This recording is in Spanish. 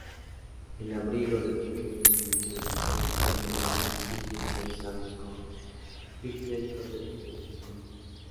El abrigo, de pequeñas dimensiones, contiene varios signos realizados con pigmentos de diferentes colores.